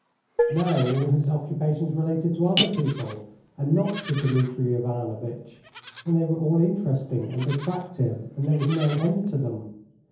Now all his occupations related to other people and not to Dmitri Ivanovitch, and they were all interesting and attractive, and there was no end to them.